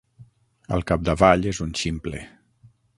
Al capdavall és un ximple.